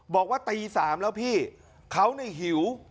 บอกว่าตี๓แล้วพี่เขาหิว